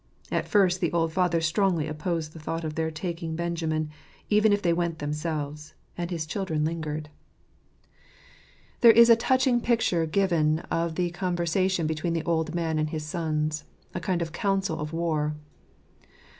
At first the old father strongly opposed the thought of their taking Benjamin, even if they went themselves ; and his children lingered. 95 ©chtjj hototi to <&ggpi. There is a touching picture given of the conversation between the old man and his sons, a kind of council of war.